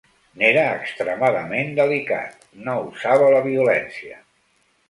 N'era extremadament delicat, no usava la violència.